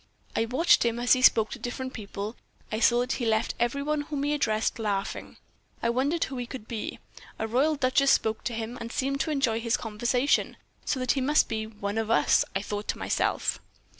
I watched him as he spoke to different people. I saw that he left everyone whom he addressed laughing. I wondered who he could be. A royal duchess spoke to him, and seemed to enjoy his conversation; so that he must be 'one of us,' I thought to myself.